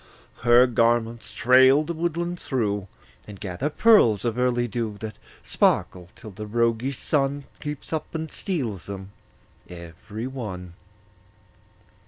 Her garments trail the woodland through, And gather pearls of early dew That sparkle till the roguish Sun Creeps up and steals them every one.